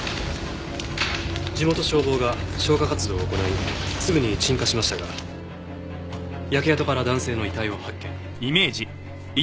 地元消防が消火活動を行いすぐに鎮火しましたが焼け跡から男性の遺体を発見。